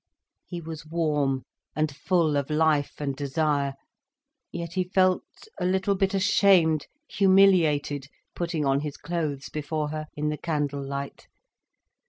He was warm and full of life and desire. Yet he felt a little bit ashamed, humiliated, putting on his clothes before her, in the candle light.